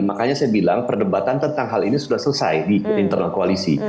makanya saya bilang perdebatan tentang hal ini sudah selesai di internal koalisi